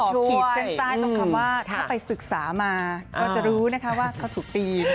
ฉันขอผิดเซ้นท์ใจตามคำว่าถ้าไปศึกษามาก็จะรู้นะครับว่าเขาถูกกิน